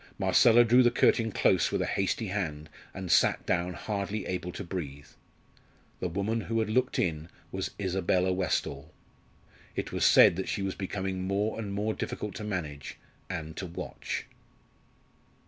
Marcella drew the curtain close with a hasty hand, and sat down hardly able to breathe. The woman who had looked in was Isabella Westall. It was said that she was becoming more and more difficult to manage and to watch.